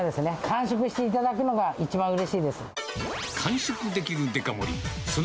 完食していただくのが一番うれしいです。